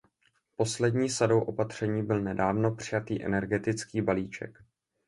Poslední sadou opatření byl nedávno přijatý energetický balíček.